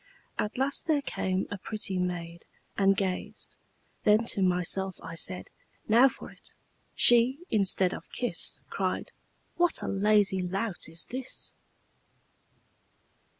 At last there came a pretty maid, And gazed; then to myself I said, 'Now for it!' She, instead of kiss, Cried, 'What a lazy lout is this!'